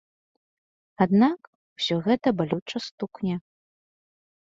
Аднак, усё гэта балюча стукне.